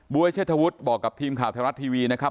เชษฐวุฒิบอกกับทีมข่าวไทยรัฐทีวีนะครับ